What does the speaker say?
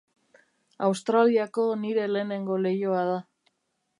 Australiako nire lehenengo leihoa da.